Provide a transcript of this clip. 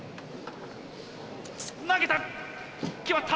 投げた！